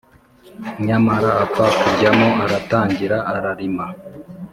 Nyamara apfa kujyamo aratangira ararima.